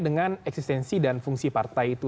dengan eksistensi dan fungsi partai itu